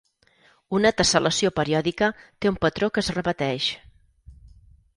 Una tessel·lació periòdica té un patró que es repeteix.